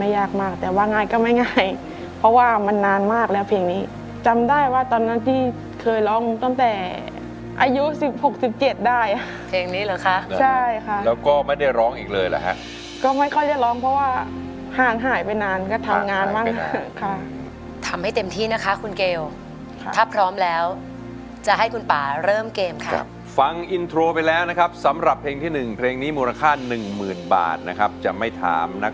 ยากมากแต่ว่าง่ายก็ไม่ง่ายเพราะว่ามันนานมากแล้วเพลงนี้จำได้ว่าตอนนั้นที่เคยร้องตั้งแต่อายุสิบหกสิบเจ็ดได้ค่ะเพลงนี้เหรอค่ะใช่ค่ะแล้วก็ไม่ได้ร้องอีกเลยหรอฮะก็ไม่ค่อยได้ร้องเพราะว่าห่านหายไปนานก็ทำงานมากค่ะค่ะทำให้เต็มที่นะคะคุณเกลค่ะถ้าพร้อมแล้วจะให้คุณป่าเริ่มเกมค่ะครับฟังอ